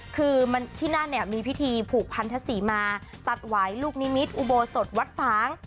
คือที่นั่นเนี่ยมีพิธีผูกพันธศรีมาตัดหวายลูกนิมิตรอุโบสถวัดฝาง